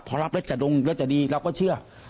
พอรับแล้วจะดงแล้วจะดีเราก็เชื่อ